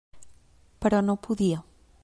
Però no podia.